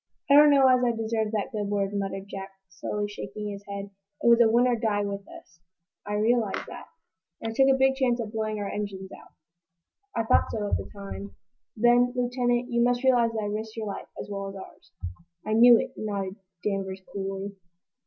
"I don't know as I deserve that good word," muttered Jack, slowly, shaking his head. "It was win or die with us." "I realize that." "And I took a big chance of blowing our engines out." "I thought so, at the time." "Then, Lieutenant, you must realize that I risked your life, as well as ours." "I knew it," nodded Danvers, coolly.